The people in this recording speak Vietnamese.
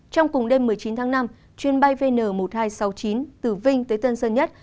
trong cùng đêm một mươi chín tháng năm chuyến bay vn một nghìn hai trăm sáu mươi chín từ vinh tới tân sơn nhất